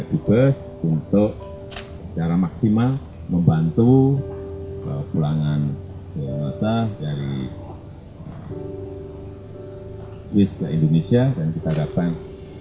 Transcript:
ada ibas untuk secara maksimal membantu pulangan kisah dari indonesia dan kita dapat